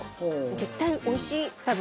絶対おいしい多分。